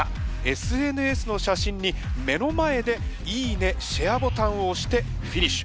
ＳＮＳの写真に目の前で「いいね！」「シェア」ボタンを押してフィニッシュ。